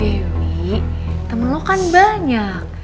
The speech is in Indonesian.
dewi temen lo kan banyak dewi temen lo kan banyak